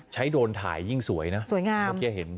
โดรนถ่ายยิ่งสวยนะสวยงามเมื่อกี้เห็น